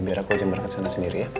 biar aku aja market sana sendiri ya